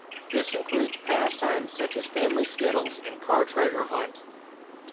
This includes pastimes such as family skittles and car treasure hunt.